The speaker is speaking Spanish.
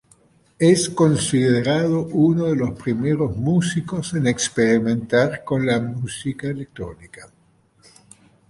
Es considerado uno de los primeros músicos en experimentar con la música electrónica.